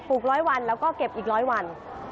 ปลูกร้อยวันแล้วก็เก็บอีกร้อยวัน